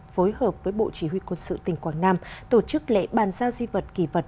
phối hợp với bộ chỉ huy quân sự tỉnh quảng nam tổ chức lễ bàn giao di vật kỳ vật